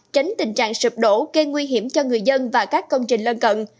tránh tình trạng sụp đổ gây nguy hiểm cho người dân và các công trình lân cận